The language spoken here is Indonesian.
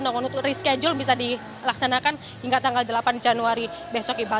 namun untuk reschedule bisa dilaksanakan hingga tanggal delapan januari besok iqbal